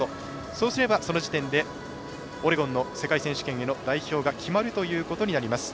そうすれば、その時点でオレゴンの世界選手権への代表が決まるということになります。